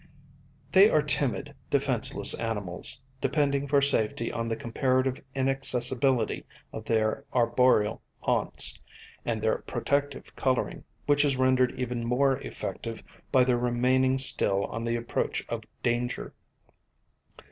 They are timid, defenceless animals, depending for safety on the comparative inaccessibility of their arboreal haunts, and their protective colouring, which is rendered even more effective by their remaining still on the approach of danger.